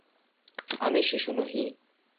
আমি শিশু নহি।